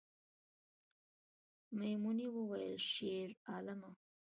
میمونۍ وویل شیرعالمه